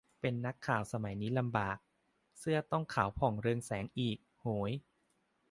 เป็นนักข่าวสมัยนี้ลำบาก เสื้อต้องขาวผ่องเรืองแสงอีก โหย